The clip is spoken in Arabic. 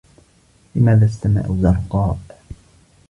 لماذا السماء زرقاء؟